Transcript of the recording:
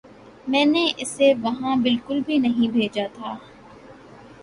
میں نے اسے وہاں بالکل بھی نہیں بھیجا تھا